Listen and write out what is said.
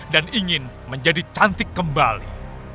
ingin menjadi cantik kembali